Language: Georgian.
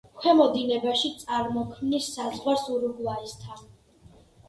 ქვემო დინებაში წარმოქმნის საზღვარს ურუგვაისთან.